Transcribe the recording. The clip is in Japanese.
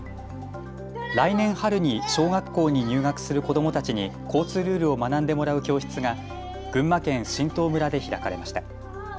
来年春に小学校に入学する子どもたちに交通ルールを学んでもらう教室が群馬県榛東村で開かれました。